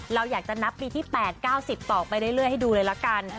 เราอยากจะนับปีที่๘๙๐ต่อไปเรื่อยให้ดูเลยละกัน